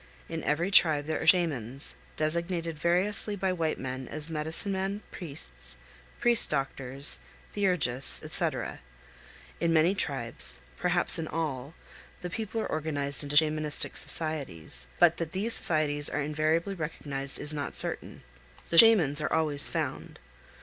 In every tribe there are Shamans, designated variously by white men as "medicine men," "priests," "priest doctors," "theurgists," etc. In many tribes, perhaps in all, the people are organized into Shamanistic societies; but that these societies are invariably recognized is not certain. The Shamans are always found.